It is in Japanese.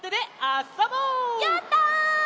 やった！